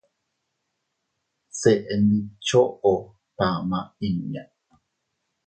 Se ntidchoʼo tama inña.